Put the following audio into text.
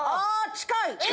近い！